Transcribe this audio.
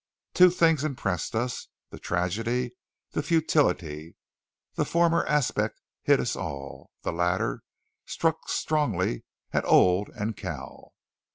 Two things impressed us the tragedy, the futility. The former aspect hit us all; the latter struck strongly at Old and Cal.